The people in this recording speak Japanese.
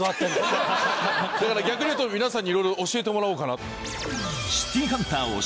だから逆に皆さんにいろいろ教えてもらおうかなと。